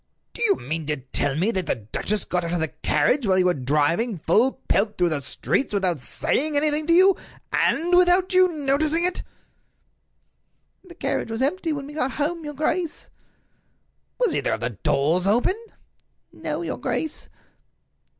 "Do you mean to tell me that the duchess got out of the carriage while you were driving full pelt through the streets without saying anything to you, and without you noticing it?" "The carriage was empty when we got home, your grace." "Was either of the doors open?" "No, your grace."